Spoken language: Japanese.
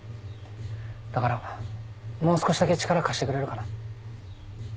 だからもう少しだけ力貸してくれるかな？